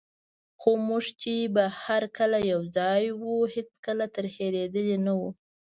خو موږ چي به هر کله یوځای وو، هیڅکله ترهېدلي نه وو.